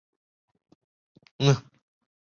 江苏巡抚宋荦聘致幕中。